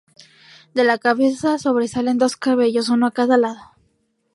De la cabeza sobresalen dos cabellos, uno a cada lado.